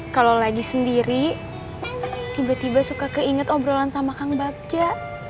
kalau lagi sendiri tiba tiba suka keinget obrolan sama kang bagja